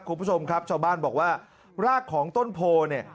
หุ่มชมครับชาวบ้านบอกว่ารากของต้นโพล